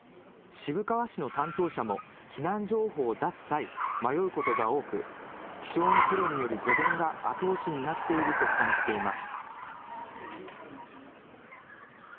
渋川市の担当者も避難情報を出す際、迷うことが多く気象のプロによる助言が後押しになっていると感じています。